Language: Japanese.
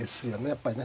やっぱりね。